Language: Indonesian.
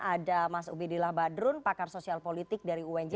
ada mas ubedillah badrun pakar sosial politik dari unj